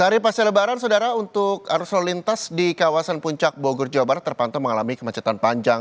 dari pasca lebaran saudara untuk arus lalu lintas di kawasan puncak bogor jawa barat terpantau mengalami kemacetan panjang